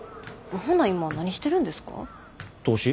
ほな今何してるんですか？